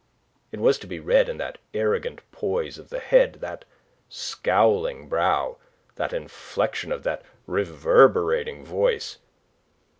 It was to be read in that arrogant poise of the head, that scowling brow, the inflexion of that reverberating voice.